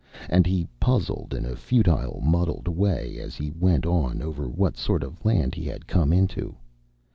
And he puzzled in a futile, muddled way as he went on over what sort of land he had come into.